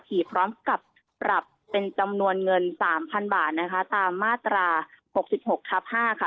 ผีพร้อมกับปรับเป็นจำนวนเงินสามพันบาทนะคะตามมาตราหกสิบหกทับห้าค่ะ